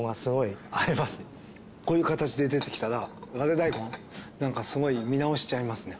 こういう形で出てきたら割れ大根なんかすごい見直しちゃいますね。